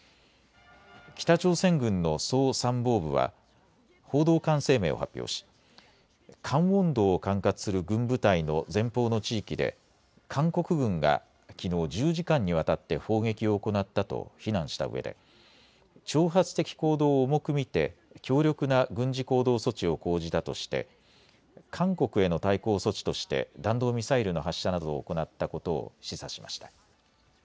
北朝鮮軍の総参謀部は報道官声明を発表しカンウォン道を管轄する軍部隊の前方の地域で韓国軍がきのう１０時間にわたって砲撃を行ったと非難したうえで挑発的行動を重く見て強力な軍事行動措置を講じたとして、韓国への対抗措置として弾道ミサイルの発射などを行ったことを示唆しました。